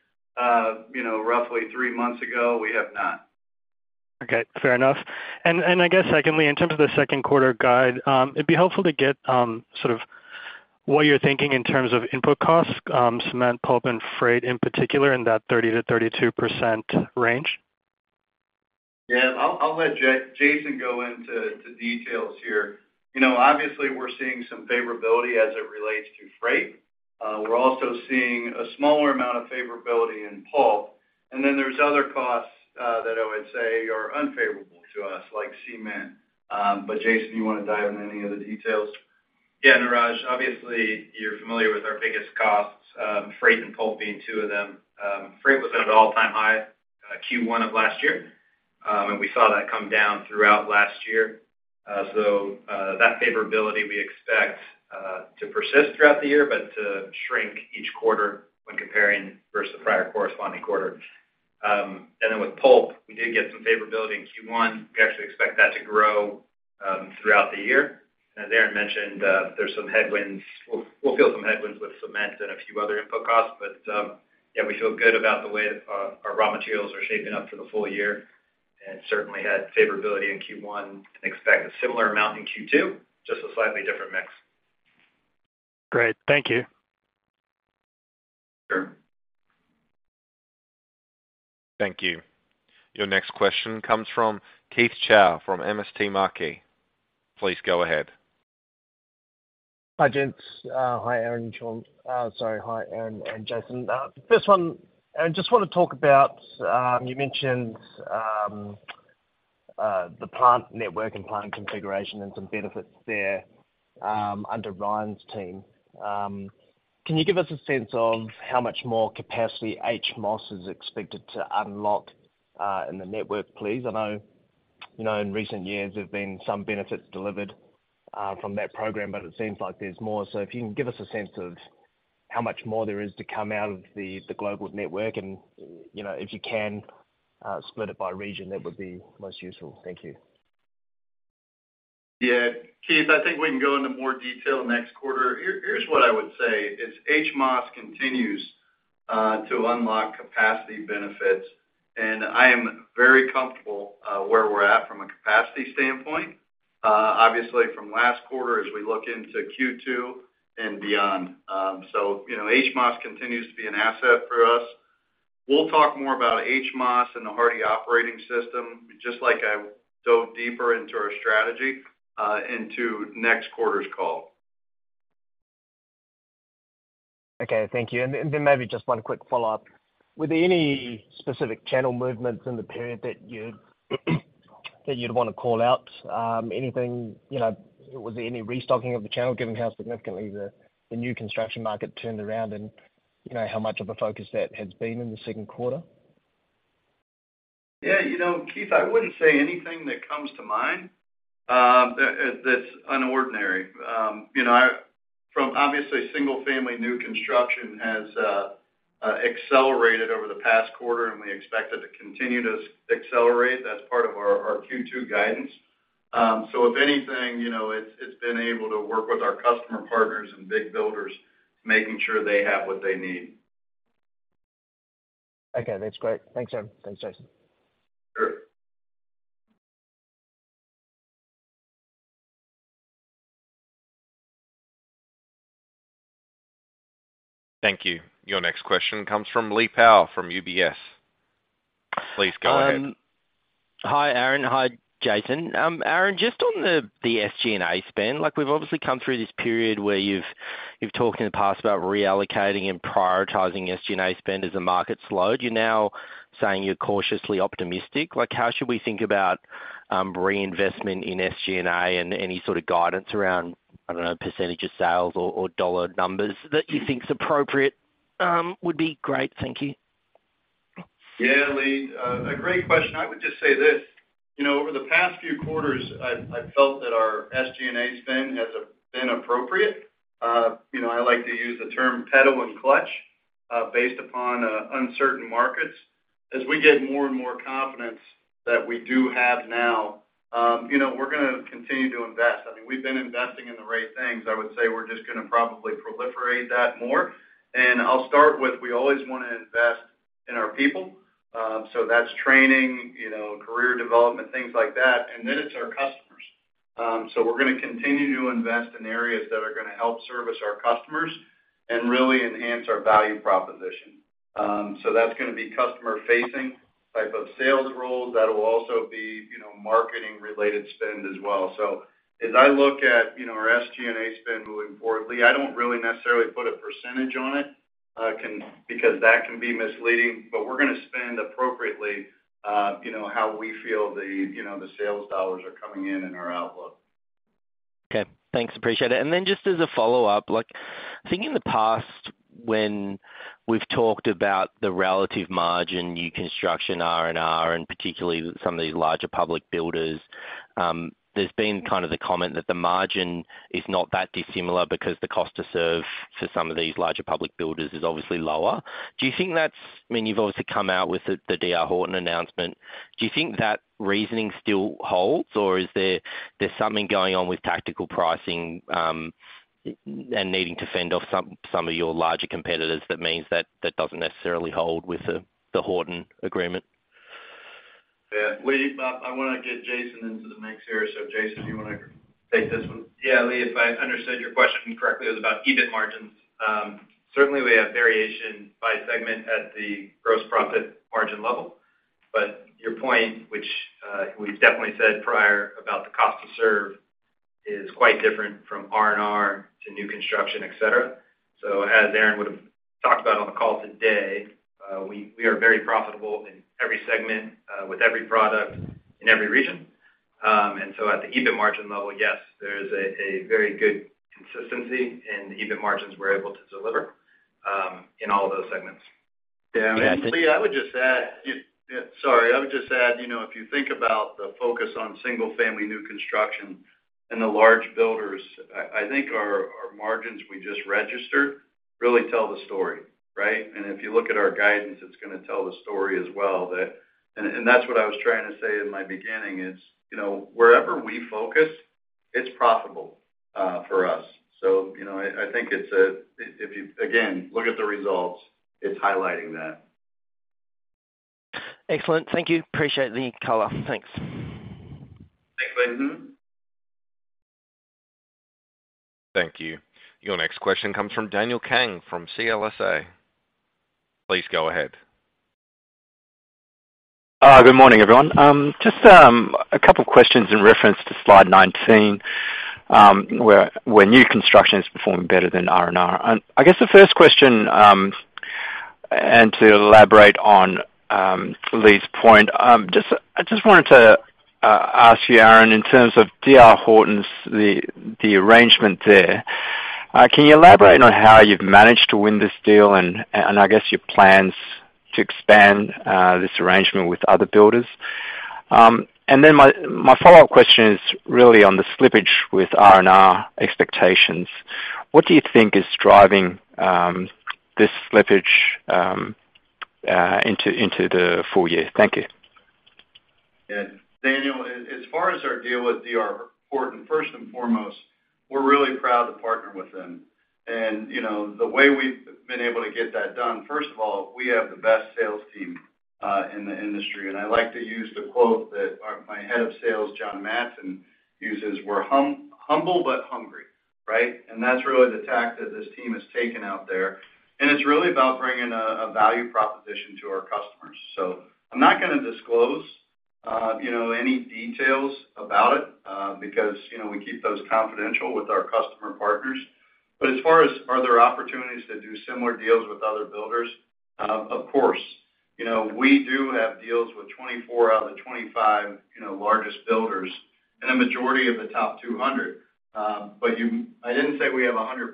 you know, roughly 3 months ago, we have not.
Okay, fair enough. I guess secondly, in terms of the second quarter guide, it'd be helpful to get, sort of what you're thinking in terms of input costs, cement, pulp, and freight in particular, in that 30%-32% range.
Yeah, I'll, I'll let Jason go into the details here. You know, obviously, we're seeing some favorability as it relates to freight. We're also seeing a smaller amount of favorability in pulp, then there's other costs that I would say are unfavorable to us, like cement. Jason, you want to dive into any of the details?
Yeah, Niraj, obviously, you're familiar with our biggest costs, freight and pulp being two of them. Freight was at an all-time high, Q1 of last year, and we saw that come down throughout last year. That favorability we expect to persist throughout the year, but to shrink each quarter when comparing versus the prior corresponding quarter. With pulp, we did get some favorability in Q1. We actually expect that to grow throughout the year. As Aaron mentioned, there's some headwinds. We'll, we'll feel some headwinds with cement and a few other input costs, but, yeah, we feel good about the way that our, our raw materials are shaping up for the full year, and certainly had favorability in Q1, and expect a similar amount in Q2, just a slightly different mix.
Great. Thank you.
Sure.
Thank you. Your next question comes from Keith Chau from MST Marquee. Please go ahead.
Hi, gents. Hi, Aaron and Sean. Sorry, hi, Aaron and Jason. First one, Aaron, just want to talk about, you mentioned, the plant network and plant configuration and some benefits there, under Ryan's team. Can you give us a sense of how much more capacity HMOS is expected to unlock in the network, please? I know, you know, in recent years, there've been some benefits delivered from that program, but it seems like there's more. If you can give us a sense of how much more there is to come out of the global network, and, you know, if you can, split it by region, that would be most useful. Thank you.
Yeah. Keith, I think we can go into more detail next quarter. Here, here's what I would say, is HMOS continues to unlock capacity benefits, and I am very comfortable where we're at from a capacity standpoint, obviously, from last quarter, as we look into Q2 and beyond. You know, HMOS continues to be an asset for us. We'll talk more about HMOS and the Hardie Operating System, just like I dove deeper into our strategy into next quarter's call.
Okay, thank you. Then maybe just one quick follow-up. Were there any specific channel movements in the period that you'd want to call out? Anything, you know, was there any restocking of the channel, given how significantly the new construction market turned around, and, you know, how much of a focus that has been in the second quarter?
Yeah, you know, Keith, I wouldn't say anything that comes to mind that that's unordinary. You know, from obviously, single-family new construction has accelerated over the past quarter, and we expect it to continue to accelerate. That's part of our, our Q2 guidance. If anything, you know, it's, it's been able to work with our customer partners and big builders, making sure they have what they need.
Okay, that's great. Thanks, Aaron. Thanks, Jason.
Sure.
Thank you. Your next question comes from Lee Power from UBS. Please go ahead.
Hi, Aaron. Hi, Jason. Aaron, just on the SG&A spend, we've obviously come through this period where you've talked in the past about reallocating and prioritizing SG&A spend as the market slowed. You're now saying you're cautiously optimistic. How should we think about reinvestment in SG&A and any sort of guidance around percentage of sales or dollar numbers that you think is appropriate would be great. Thank you.
Yeah, Lee, a great question. I would just say this: You know, over the past few quarters, I, I've felt that our SG&A spend has been appropriate. You know, I like to use the term pedal and clutch, based upon uncertain markets. As we get more and more confidence that we do have now, you know, we're gonna continue to invest. I mean, we've been investing in the right things. I would say we're just gonna probably proliferate that more. I'll start with, we always want to invest in our people, so that's training, you know, career development, things like that, and then it's our customers. We're gonna continue to invest in areas that are gonna help service our customers and really enhance our value proposition. That's gonna be customer-facing type of sales roles. That will also be, you know, marketing-related spend as well. As I look at, you know, our SG&A spend moving forward, Lee, I don't really necessarily put a percentage on it, because that can be misleading, but we're gonna spend appropriately, you know, how we feel the, you know, the sales dollars are coming in in our outlook.
Okay, thanks. Appreciate it. Just as a follow-up, like, I think in the past, when we've talked about the relative margin, new construction, R&R, and particularly some of these larger public builders, there's been kind of the comment that the margin is not that dissimilar because the cost to serve for some of these larger public builders is obviously lower. Do you think that's... I mean, you've obviously come out with the, the D.R. Horton announcement. Do you think that reasoning still holds, or is there, there's something going on with tactical pricing, and needing to fend off some, some of your larger competitors that means that, that doesn't necessarily hold with the, the Horton agreement?
Yeah. Lee, I wanna get Jason into the mix here. Jason, do you wanna take this one?
Yeah, Lee, if I understood your question correctly, it was about EBIT margins. Certainly, we have variation by segment at the gross profit margin level. Your point, which, we've definitely said prior about the cost to serve, is quite different from RNR to new construction, et cetera. As Aaron would have talked about on the call today, we, we are very profitable in every segment, with every product in every region. And so at the EBIT margin level, yes, there is a, a very good consistency in the EBIT margins we're able to deliver, in all of those segments.
Yeah, Lee, I would just add, sorry, I would just add, you know, if you think about the focus on single-family new construction and the large builders, I, I think our, our margins we just registered really tell the story, right? If you look at our guidance, it's going to tell the story as well. That's what I was trying to say in my beginning is, you know, wherever we focus, it's profitable for us. You know, I, I think it's a, if, if you, again, look at the results, it's highlighting that.
Excellent. Thank you. Appreciate the color. Thanks.
Thanks, Nathan.
Thank you. Your next question comes from Daniel Kang from CLSA. Please go ahead.
Good morning, everyone. Just a couple questions in reference to slide 19, where new construction is performing better than RNR. I guess the first question, and to elaborate on Lee's point, I just wanted to ask you, Aaron, in terms of D.R. Horton's, the arrangement there, can you elaborate on how you've managed to win this deal and I guess your plans to expand this arrangement with other builders? Then my follow-up question is really on the slippage with RNR expectations. What do you think is driving this slippage into the full year? Thank you.
Yeah, Daniel, as far as our deal with D.R. Horton, first and foremost, we're really proud to partner with them. You know, the way we've been able to get that done, first of all, we have the best sales team in the industry. I like to use the quote that my head of sales, John Madson, uses, "We're humble but hungry," right? That's really the tact that this team has taken out there. It's really about bringing a value proposition to our customers. I'm not going to disclose, you know, any details about it, because, you know, we keep those confidential with our customer partners. As far as are there opportunities to do similar deals with other builders? Of course. You know, we do have deals with 24 out of the 25, you know, largest builders and a majority of the top 200. I didn't say we have a 100%,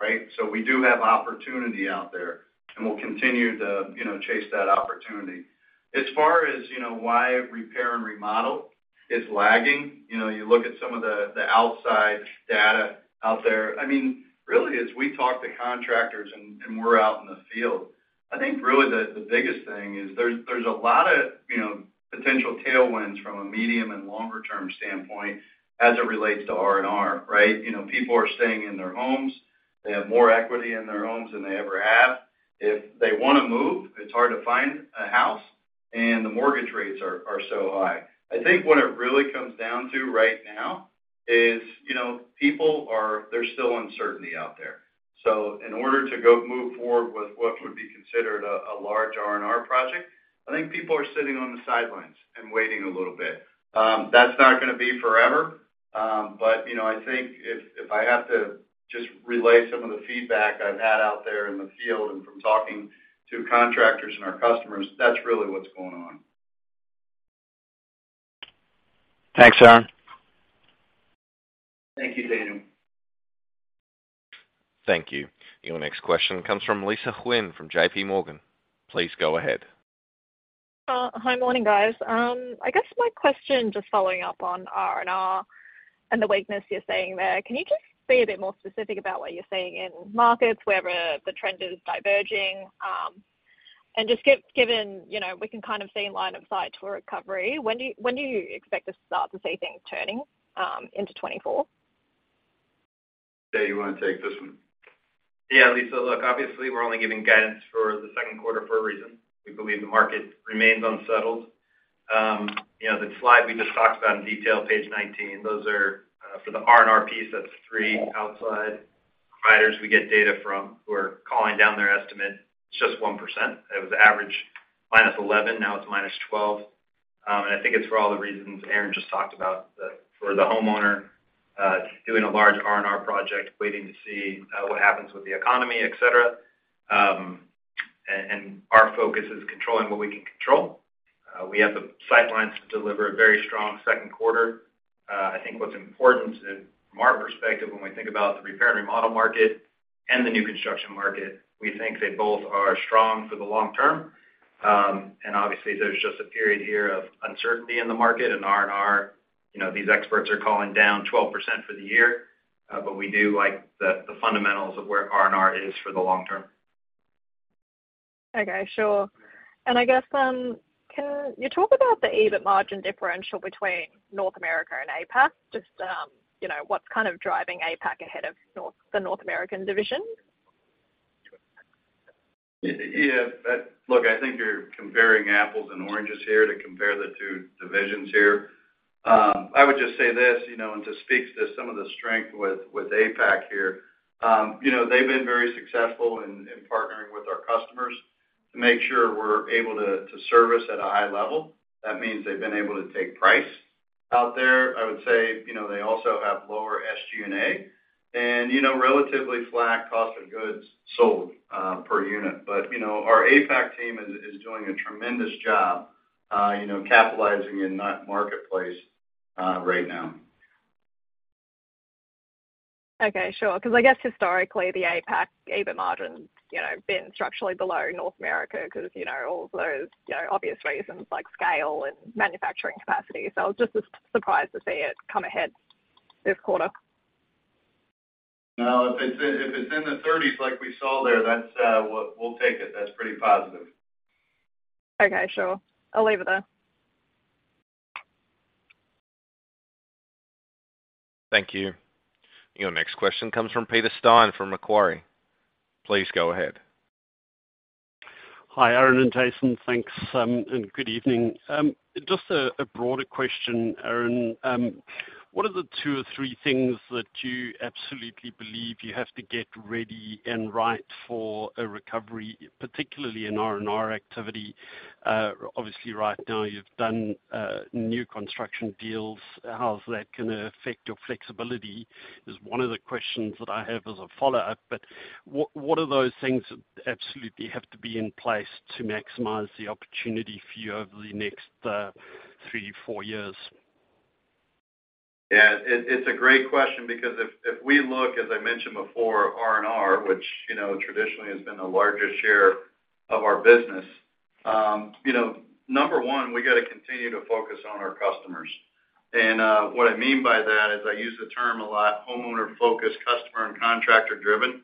right? We do have opportunity out there, and we'll continue to, you know, chase that opportunity. As far as, you know, why repair and remodel is lagging, you know, you look at some of the, the outside data out there. I mean, really, as we talk to contractors and, and we're out in the field, I think really the, the biggest thing is there's, there's a lot of, you know, potential tailwinds from a medium and longer term standpoint as it relates to RNR, right? You know, people are staying in their homes. They have more equity in their homes than they ever have. If they want to move, it's hard to find a house, the mortgage rates are, are so high. I think what it really comes down to right now is, you know, people are... There's still uncertainty out there. In order to go move forward with what would be considered a, a large RNR project, I think people are sitting on the sidelines and waiting a little bit. That's not going to be forever. You know, I think if, if I have to just relay some of the feedback I've had out there in the field and from talking to contractors and our customers, that's really what's going on.
Thanks, Aaron.
Thank you, Daniel.
Thank you. Your next question comes from Lisa Quinn, from JP Morgan. Please go ahead.
Hi, morning, guys. I guess my question, just following up on RNR and the weakness you're seeing there, can you just be a bit more specific about what you're seeing in markets, wherever the trend is diverging? Just given, you know, we can kind of see in line of sight to a recovery, when do you, when do you expect to start to see things turning into 2024?
Jay, you want to take this one?
Yeah, Lisa, look, obviously, we're only giving guidance for the second quarter for a reason. We believe the market remains unsettled. You know, the slide we just talked about in detail, page 19, those are for the RNR piece, that's 3 outside providers we get data from who are calling down their estimate. It's just 1%. It was average -11, now it's -12. I think it's for all the reasons Aaron just talked about, for the homeowner, doing a large RNR project, waiting to see what happens with the economy, et cetera. Our focus is controlling what we can control. We have the sight lines to deliver a very strong second quarter. I think what's important from our perspective when we think about the R&R market and the new construction market, we think they both are strong for the long-term. Obviously, there's just a period here of uncertainty in the market, and R&R, you know, these experts are calling down 12% for the year. We do like the, the fundamentals of where R&R is for the long term.
Okay, sure. I guess, can you talk about the EBIT margin differential between North America and APAC? Just, you know, what's kind of driving APAC ahead of the North American division?
Yeah, look, I think you're comparing apples and oranges here to compare the two divisions here. I would just say this, you know, and just speaks to some of the strength with, with APAC here. You know, they've been very successful in, in partnering with our customers to make sure we're able to, to service at a high level. That means they've been able to take price out there. I would say, you know, they also have lower SG&A, and, you know, relatively flat cost of goods sold per unit. Our APAC team is, is doing a tremendous job, you know, capitalizing in that marketplace right now.
Sure. I guess historically, the APAC EBIT margin, you know, been structurally below North America, because, you know, all of those, you know, obvious reasons like scale and manufacturing capacity. I was just surprised to see it come ahead this quarter.
No, if it's, if it's in the thirties like we saw there, that's, we'll take it. That's pretty positive.
Okay, sure. I'll leave it there.
Thank you. Your next question comes from Peter Steyn from Macquarie. Please go ahead.
Hi, Aaron and Jason. Thanks. Good evening. Just a broader question, Aaron. What are the two or three things that you absolutely believe you have to get ready and right for a recovery, particularly in R&R activity? Obviously, right now, you've done new construction deals. How is that going to affect your flexibility? Is one of the questions that I have as a follow-up. What are those things that absolutely have to be in place to maximize the opportunity for you over the next three, four years?
Yeah, it, it's a great question because if, if we look, as I mentioned before, R&R, which, you know, traditionally has been the largest share of our business. You know, number one, we got to continue to focus on our customers. What I mean by that is I use the term a lot, homeowner-focused, customer, and contractor-driven.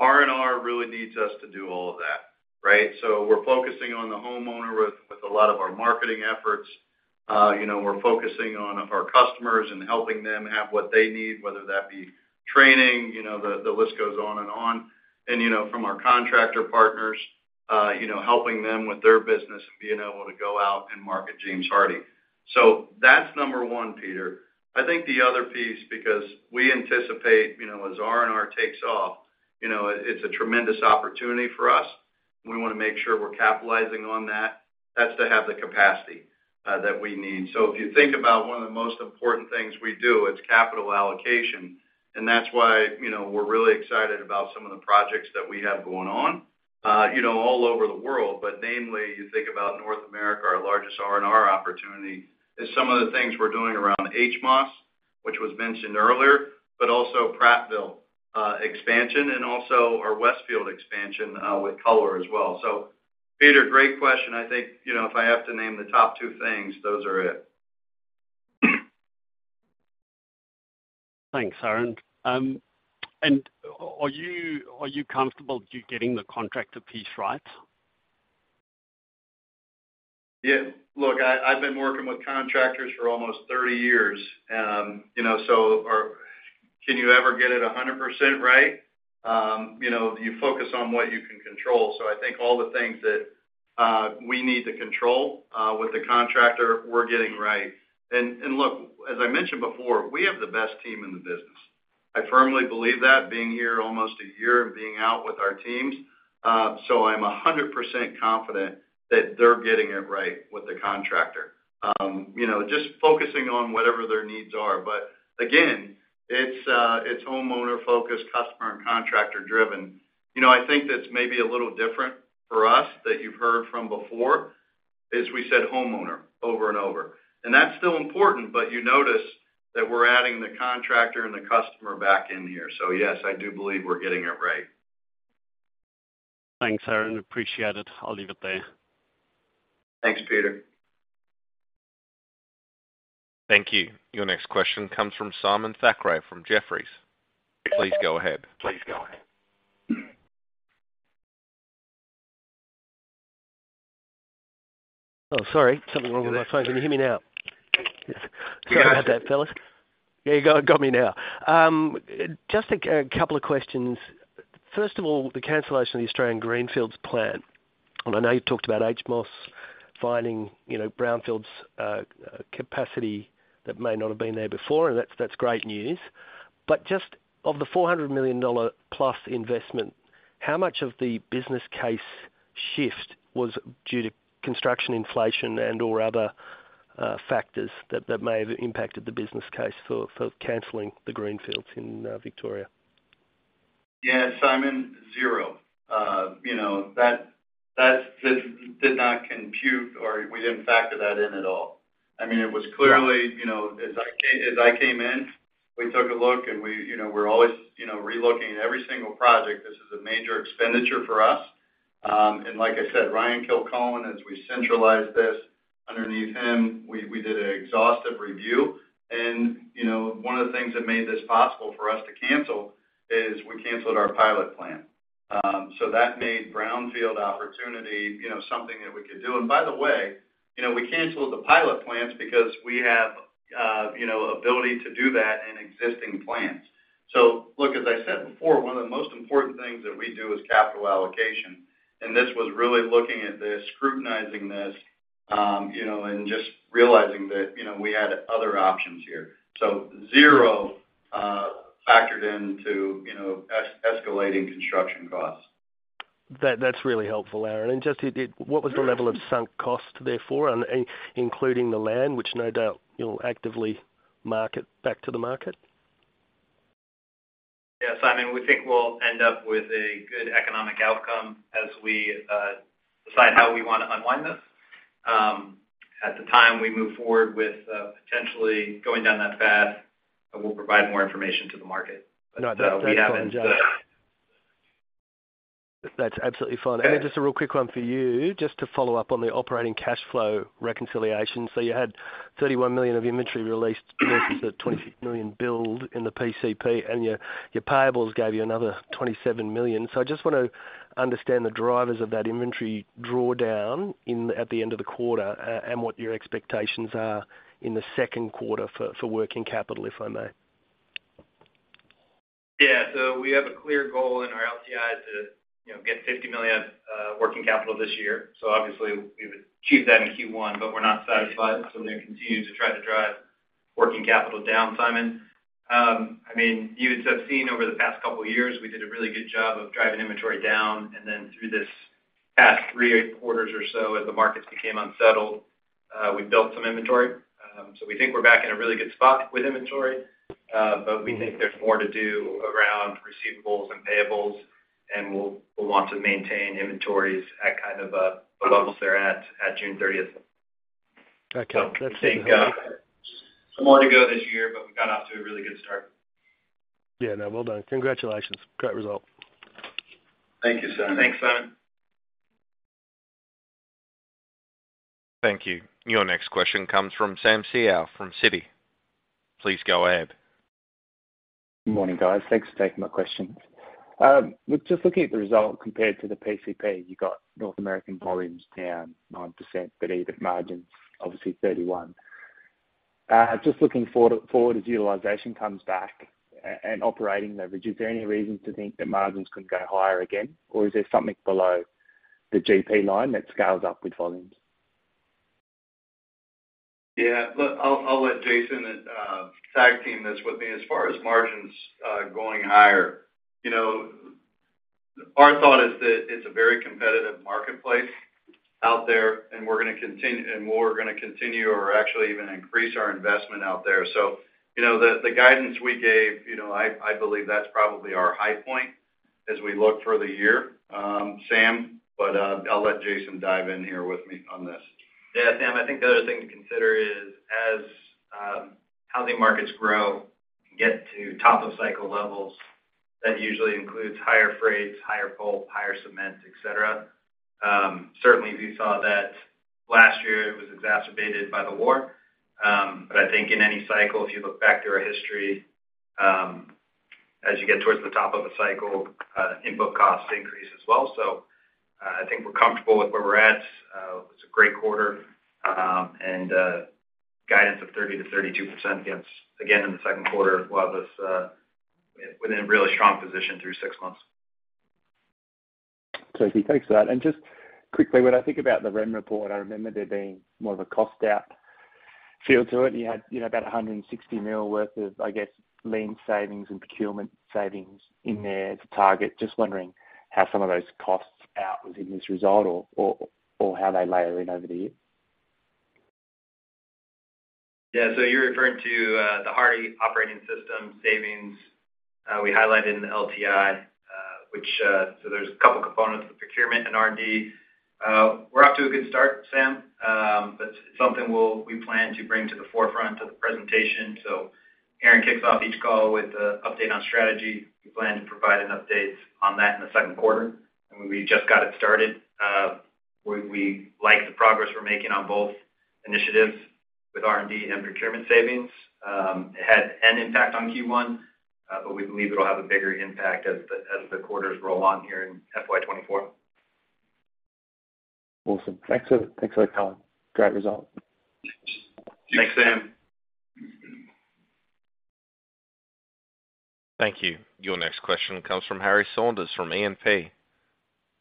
R&R really needs us to do all of that, right? We're focusing on the homeowner with, with a lot of our marketing efforts. You know, we're focusing on our customers and helping them have what they need, whether that be training, you know, the, the list goes on and on. You know, from our contractor partners, you know, helping them with their business and being able to go out and market James Hardie. That's number one, Peter. I think the other piece, because we anticipate, you know, as R&R takes off, you know, it's a tremendous opportunity for us. We want to make sure we're capitalizing on that. That's to have the capacity that we need. If you think about one of the most important things we do, it's capital allocation, and that's why, you know, we're really excited about some of the projects that we have going on, you know, all over the world. Namely, you think about North America, our largest R&R opportunity, is some of the things we're doing around HMOS, which was mentioned earlier, but also Prattville expansion, and also our Westfield expansion with color as well. Peter, great question. I think, you know, if I have to name the top two things, those are it.
Thanks, Aaron. Are you, are you comfortable you getting the contractor piece right?
Yeah. Look, I, I've been working with contractors for almost 30 years, you know, so, can you ever get it 100% right? You know, you focus on what you can control. I think all the things that we need to control with the contractor, we're getting right. Look, as I mentioned before, we have the best team in the business. I firmly believe that, being here almost a year and being out with our teams. I'm 100% confident that they're getting it right with the contractor. You know, just focusing on whatever their needs are. Again, it's homeowner-focused, customer, and contractor-driven. You know, I think that's maybe a little different for us that you've heard from before, is we said, homeowner, over and over. That's still important, but you notice that we're adding the contractor and the customer back in here. Yes, I do believe we're getting it right.
Thanks, Aaron. Appreciate it. I'll leave it there.
Thanks, Peter.
Thank you. Your next question comes from Simon Thackray from Jefferies. Please go ahead.
Something wrong with my phone. Can you hear me now? Yes. Sorry about that, fellas. Yeah, you got, got me now. Just a couple of questions. First of all, the cancellation of the Australian greenfields plant. I know you talked about HOS finding, you know, brownfield capacity that may not have been there before, and that's great news. But just of the $400 million plus investment, how much of the business case shift was due to construction inflation and or other factors that may have impacted the business case for canceling the Greenfields in Victoria
Yeah, Simon, zero. You know, that did not compute, or we didn't factor that in at all. I mean, it was clearly-
Yeah
you know, as I came, as I came in, we took a look and we, you know, we're always, you know, relooking at every single project. This is a major expenditure for us. Like I said, Ryan Kilcullen, as we centralize this underneath him, we, we did an exhaustive review. You know, one of the things that made this possible for us to cancel is we canceled our pilot plan. That made Brownfield opportunity, you know, something that we could do. By the way, you know, we canceled the pilot plans because we have, you know, ability to do that in existing plans. look, as I said before, one of the most important things that we do is capital allocation, and this was really looking at this, scrutinizing this, you know, and just realizing that, you know, we had other options here. Zero, factored into, you know, es- escalating construction costs.
That, that's really helpful, Aaron. And just, what was the level of sunk cost therefore, on, in- including the land, which no doubt you'll actively market back to the market?
Yes, Simon, we think we'll end up with a good economic outcome as we, decide how we want to unwind this. At the time we move forward with, potentially going down that path, but we'll provide more information to the market. We haven't-
That's absolutely fine.
Yeah.
Just a real quick one for you, just to follow up on the operating cash flow reconciliation. You had $31 million of inventory released versus the $20 million build in the PCP, and your payables gave you another $27 million. I just want to understand the drivers of that inventory drawdown in, at the end of the quarter, and what your expectations are in the second quarter for working capital, if I may?
We have a clear goal in our LTI to, you know, get $50 million working capital this year. Obviously, we've achieved that in Q1, but we're not satisfied. We're going to continue to try to drive working capital down, Simon. I mean, you have seen over the past couple of years, we did a really good job of driving inventory down, and then through this past 3 quarters or so, as the markets became unsettled, we built some inventory. We think we're back in a really good spot with inventory, but we think there's more to do around receivables and payables, and we'll, we'll want to maintain inventories at kind of the levels they're at, at June 30th.
Okay.
We think, more to go this year. We got off to a really good start.
Yeah, no, well done. Congratulations. Great result.
Thank you, Simon.
Thanks, Simon.
Thank you. Your next question comes from Sam Seow from Citi. Please go ahead.
Good morning, guys. Thanks for taking my questions. Just looking at the result compared to the PCP, you got North American volumes down 9%, but EBIT margins, obviously 31. Just looking forward, as utilization comes back, and operating leverage, is there any reason to think that margins could go higher again? Is there something below the GP line that scales up with volumes?
Yeah, look, I'll, I'll let Jason tag team this with me as far as margins going higher. You know, our thought is that it's a very competitive marketplace out there, and we're gonna continue or actually even increase our investment out there. You know, the guidance we gave, you know, I, I believe that's probably our high point as we look for the year, Sam, I'll let Jason dive in here with me on this.
Yeah, Sam, I think the other thing to consider is as housing markets grow, get to top of cycle levels, that usually includes higher freights, higher pulp, higher cement, et cetera. Certainly, we saw that last year it was exacerbated by the war. I think in any cycle, if you look back through our history, as you get towards the top of a cycle, input costs increase as well. I think we're comfortable with where we're at. It's a great quarter, and guidance of 30%-32% against, again, in the second quarter, while this, within a really strong position through six months.
Okay, thanks for that. Just quickly, when I think about the REM report, I remember there being more of a cost out feel to it. You had, you know, about $160 million worth of, I guess, lean savings and procurement savings in there as a target. Just wondering how some of those costs out within this result or, or, or how they layer in over the years?
Yeah. You're referring to the Hardie Operating System savings we highlighted in the LTI, which, there's a couple components of procurement and R&D. We're off to a good start, Sam, something we'll, we plan to bring to the forefront of the presentation. Aaron kicks off each call with an update on strategy. We plan to provide an update on that in the second quarter, and we just got it started. We, we like the progress we're making on both initiatives with R&D and procurement savings. It had an impact on Q1, but we believe it'll have a bigger impact as the, as the quarters roll on here in FY2024.
Awesome. Thanks. Thanks a lot, Colin. Great result.
Thanks, Sam.
Thank you. Your next question comes from Harry Saunders, from E&P.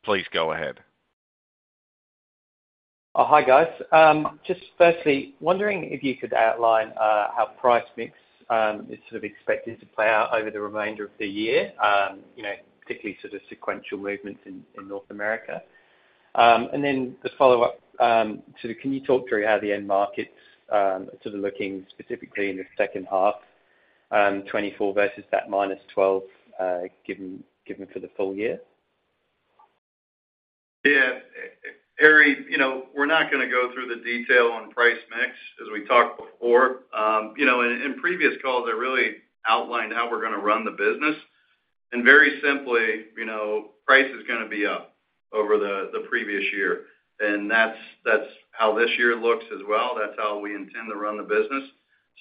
Please go ahead.
Oh, hi, guys. Just firstly, wondering if you could outline how price mix is sort of expected to play out over the remainder of the year, you know, particularly sort of sequential movements in North America. Just follow up, can you talk through how the end markets are sort of looking specifically in the second half 2024 versus that -12, given, given for the full year?
Yeah. Harry, you know, we're not gonna go through the detail on price mix, as we talked before. You know, in, in previous calls, I really outlined how we're gonna run the business. Very simply, you know, price is gonna be up over the, the previous year, and that's, that's how this year looks as well. That's how we intend to run the business.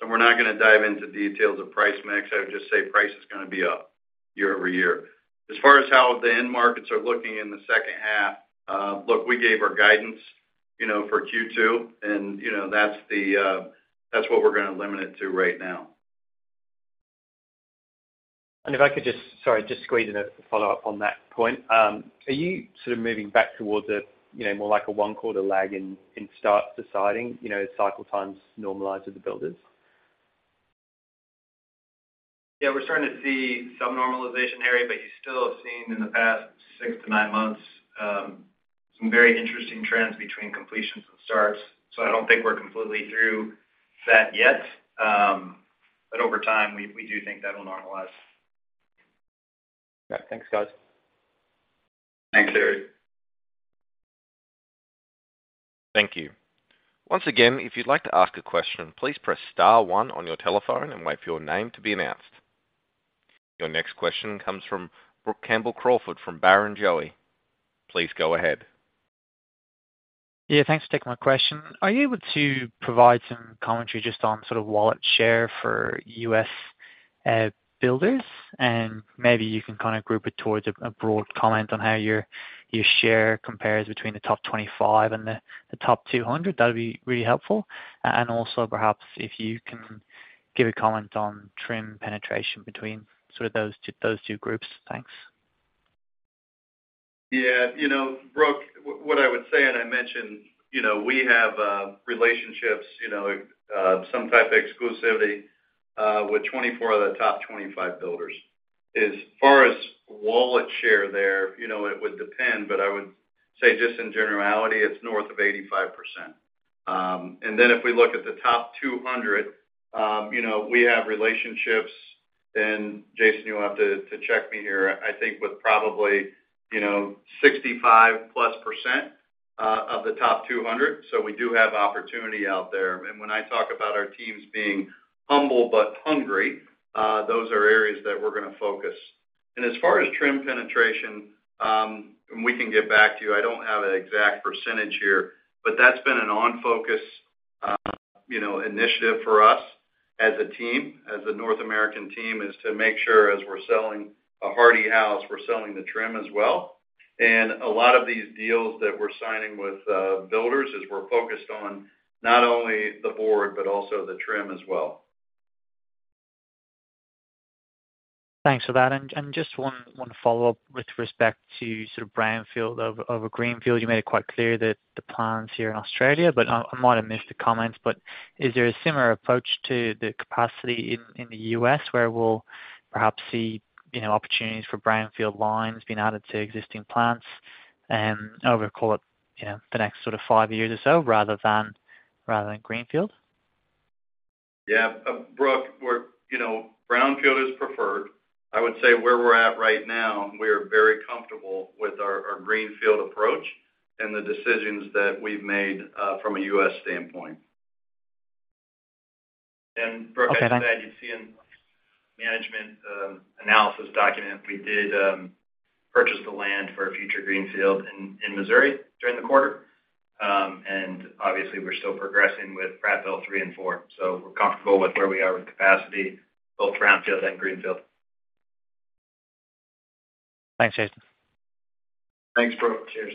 We're not gonna dive into details of price mix. I would just say price is gonna be up. year-over-year. As far as how the end markets are looking in the second half, look, we gave our guidance, you know, for Q2, and, you know, that's the, that's what we're gonna limit it to right now.
If I could just-- sorry, just squeeze in a follow-up on that point. Are you sort of moving back towards a, you know, more like a 1-quarter lag in, in start deciding, you know, as cycle times normalize with the builders?
Yeah, we're starting to see some normalization area, but you're still seeing in the past 6 to 9 months, some very interesting trends between completions and starts. I don't think we're completely through that yet. Over time, we, we do think that will normalize.
Yeah. Thanks, guys.
Thanks, Harry.
Thank you. Once again, if you'd like to ask a question, please press star one on your telephone and wait for your name to be announced. Your next question comes from Brooke Campbell-Crawford from Barrenjoey. Please go ahead.
Yeah, thanks for taking my question. Are you able to provide some commentary just on sort of wallet share for U.S. builders? Maybe you can kind of group it towards a broad comment on how your share compares between the top 25 and the top 200. That'd be really helpful. Also, perhaps, if you can give a comment on trim penetration between sort of those two, those two groups. Thanks.
Yeah, you know, Brook, what, what I would say, and I mentioned, you know, we have relationships, you know, some type of exclusivity with 24 of the top 25 builders. As far as wallet share there, you know, it would depend, but I would say just in generality, it's north of 85%. Then if we look at the top 200, you know, we have relationships, and Jason, you will have to check me here, I think, with probably, you know, 65%+ of the top 200. We do have opportunity out there. When I talk about our teams being humble but hungry, those are areas that we're gonna focus. As far as trim penetration, and we can get back to you, I don't have an exact percentage here, but that's been an on-focus, you know, initiative for us as a team, as a North American team, is to make sure as we're selling a Hardie house, we're selling the trim as well. A lot of these deals that we're signing with builders, is we're focused on not only the board, but also the trim as well.
Thanks for that. Just one, 1 follow-up with respect to sort of brownfield over greenfield. You made it quite clear that the plans here in Australia, but I might have missed the comments, but is there a similar approach to the capacity in the U.S., where we'll perhaps see, you know, opportunities for brownfield lines being added to existing plants and over, call it, you know, the next sort of 5 years or so rather than greenfield?
Yeah, Brook, we're you know, brownfield is preferred. I would say where we're at right now, we are very comfortable with our, our greenfield approach and the decisions that we've made, from a U.S. standpoint.
Brooke, as you said, you'd see in management analysis document, we did purchase the land for a future greenfield in, in Missouri during the quarter. Obviously, we're still progressing with Prattville 3 and 4, so we're comfortable with where we are with capacity, both brownfield and greenfield.
Thanks, Jason.
Thanks, Brooke. Cheers.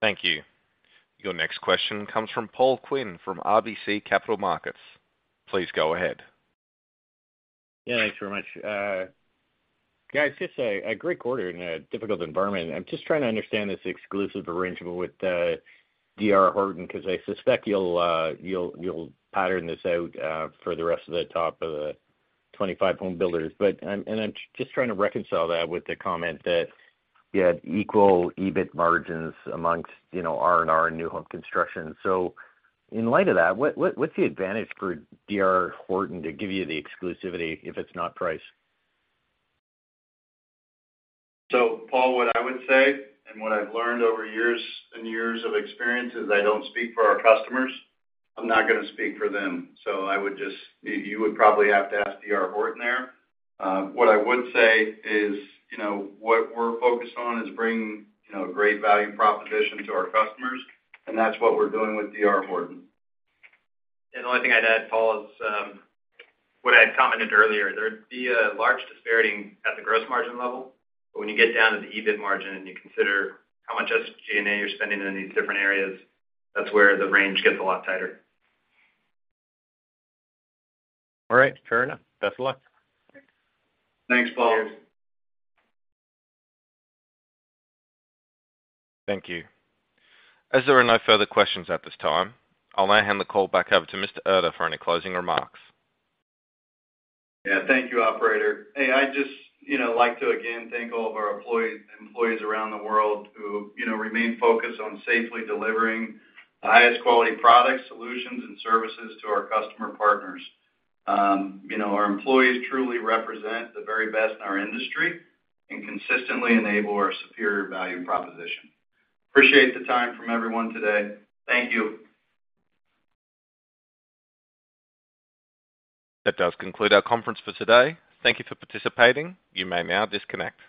Thank you. Your next question comes from Paul Quinn, from RBC Capital Markets. Please go ahead.
Yeah, thanks very much. Guys, just a, a great quarter in a difficult environment. I'm just trying to understand this exclusive arrangement with, D.R. Horton, because I suspect you'll, you'll, you'll pattern this out, for the rest of the top of the 25 home builders. And, and I'm just trying to reconcile that with the comment that you had equal EBIT margins amongst, you know, RNR and new home construction. In light of that, what, what, what's the advantage for D.R. Horton to give you the exclusivity, if it's not price?
Paul, what I would say, and what I've learned over years and years of experience, is I don't speak for our customers. I'm not gonna speak for them. You would probably have to ask D.R. Horton there. What I would say is, you know, what we're focused on is bringing, you know, great value proposition to our customers, and that's what we're doing with D.R. Horton.
The only thing I'd add, Paul, is what I had commented earlier, there'd be a large disparity at the gross margin level. But when you get down to the EBIT margin and you consider how much SG&A you're spending in these different areas, that's where the range gets a lot tighter.
All right, fair enough. Best of luck.
Thanks, Paul.
Cheers.
Thank you. As there are no further questions at this time, I'll now hand the call back over to Mr. Erter for any closing remarks.
Yeah, thank you, operator. Hey, I just, you know, like to again, thank all of our employees around the world who, you know, remain focused on safely delivering the highest quality products, solutions, and services to our customer partners. You know, our employees truly represent the very best in our industry and consistently enable our superior value proposition. Appreciate the time from everyone today. Thank you.
That does conclude our conference for today. Thank you for participating. You may now disconnect.